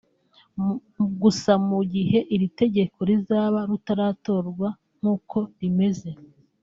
Gusa mu gihe iri tegeko rizaba rutaratorwa nk’uko rimeze